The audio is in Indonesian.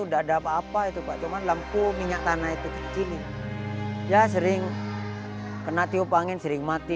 udah ada apa apa itu pak cuman lampu minyak tanah itu kecilin ya sering kena tiup angin sering mati